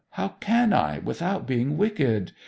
How can I without being wicked?